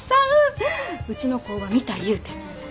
うちの工場見たいいうて。